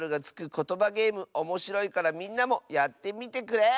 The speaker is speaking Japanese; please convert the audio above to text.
ことばゲームおもしろいからみんなもやってみてくれ！